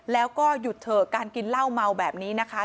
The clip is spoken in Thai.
แล้วก็หยุดเถอะการกินเหล้าเมาแบบนี้นะคะ